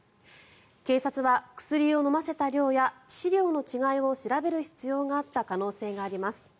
警察は薬を飲ませた量や致死量の違いを調べる必要があった可能性があります。